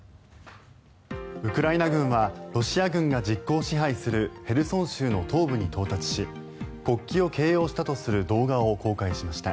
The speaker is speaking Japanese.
ウクライナ軍はロシア軍が実効支配するヘルソン州の東部に到達し国旗を掲揚したとする動画を公開しました。